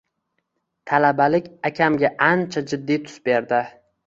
Talabalik akamga ancha jiddiy tus berdi